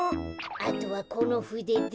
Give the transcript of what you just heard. あとはこのふでで。